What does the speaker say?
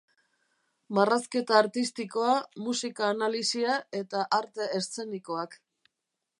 Marrazketa Artistikoa, Musika Analisia eta Arte Eszenikoak.